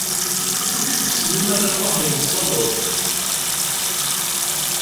Sliman U Muḥ yettaweḍ.